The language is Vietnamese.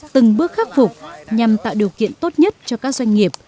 từng bước khắc phục nhằm tạo điều kiện tốt nhất cho các doanh nghiệp